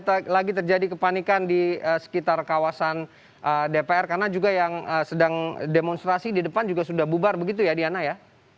tidak lagi terjadi kepanikan di sekitar kawasan dpr karena juga yang sedang demonstrasi di depan juga sudah bubar begitu ya diana ya